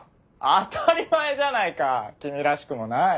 当たり前じゃないか君らしくもない。